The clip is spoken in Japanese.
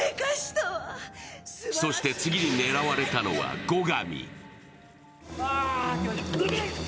そして次に狙われたのは後上。